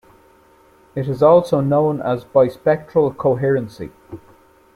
It is also known as bispectral coherency.